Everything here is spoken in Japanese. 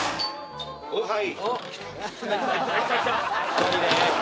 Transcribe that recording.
はい。